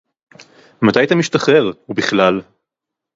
מָתַי אַתָּה מִשְׁתַּחְרֵר, וּבַכְּלָל.